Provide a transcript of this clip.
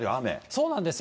そうなんですよ。